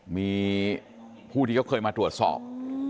มีผู้ที่เขาเคยมาตรวจสอบ